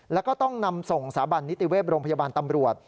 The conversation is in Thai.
แล้วก็ต้องนำส่งสาบันนิติเวศโรงพยาบาลตำรวจ